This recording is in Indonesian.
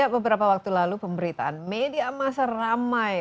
beberapa waktu lalu pemberitaan media masa ramai